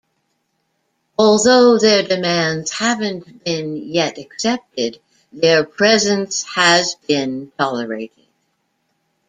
Although their demands haven't been yet accepted, their presence has been tolerated.